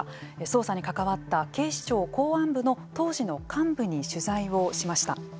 捜査に関わった警視庁公安部の当時の幹部に取材をしました。